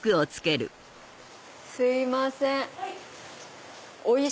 すいません。